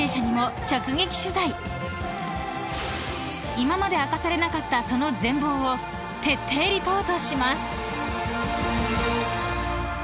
［今まで明かされなかったその全貌を徹底リポートします］